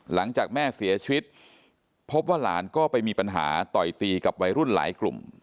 หลังจากแม่เสียชีวิตพบว่าหลานก็ไปมีปัญหาต่อยตีกับวัยรุ่นหลายกลุ่ม